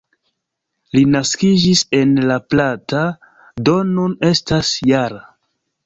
Li naskiĝis en La Plata, do nun estas -jara.